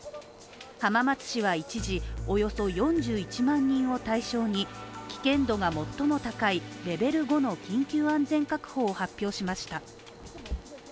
浜松市は一時、およそ４１万人を対象に危険度が最も高いレベル５の緊急安全確保を発表しました。